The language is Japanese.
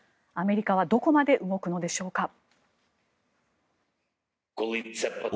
アメリカはどこまで動くのでしょうか。